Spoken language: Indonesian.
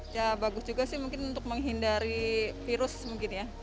ya bagus juga sih mungkin untuk menghindari virus mungkin ya